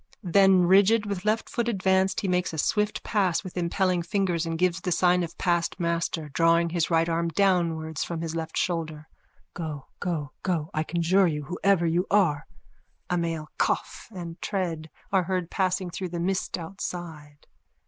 Then rigid with left foot advanced he makes a swift pass with impelling fingers and gives the sign of past master, drawing his right arm downwards from his left shoulder.)_ Go, go, go, I conjure you, whoever you are! _(A male cough and tread are heard passing through the mist outside.